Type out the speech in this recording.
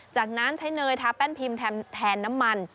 จากนั้นใช้เนยทาแป้นพิมพ์แทนน้ำมัน